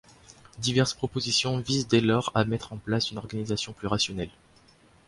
Diverses propositions visent dès lors à mettre en place une organisation plus rationnelle.